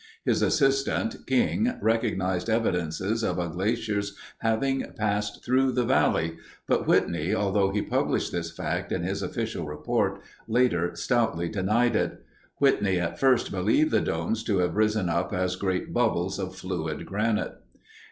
His assistant, King, recognized evidences of a glacier's having passed through the valley, but Whitney, although he published this fact in his official report, later stoutly denied it. Whitney at first believed the domes to have risen up as great bubbles of fluid granite.